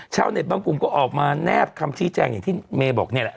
ชาวเน็ตบางกลุ่มก็ออกมาแนบคำชี้แจงอย่างที่เมย์บอกนี่แหละ